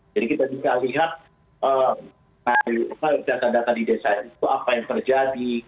kita bisa lihat data data di desa itu apa yang terjadi